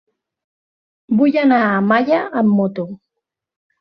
Vull anar a Malla amb moto.